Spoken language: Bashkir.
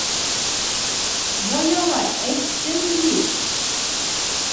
Бая ла әйттем бит.